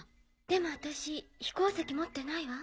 でも私飛行石持ってないわ。